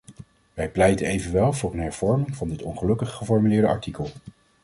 Wij pleiten evenwel voor een hervorming van dit ongelukkig geformuleerde artikel.